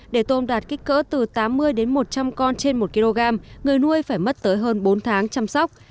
để tôm đạt kích cỡ từ tám mươi đến một trăm linh con trên một kg người nuôi phải mất tới hơn bốn tháng chăm sóc